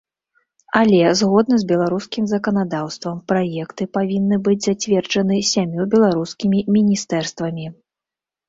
Але, згодна з беларускім заканадаўствам, праекты павінны быць зацверджаны сямю беларускімі міністэрствамі.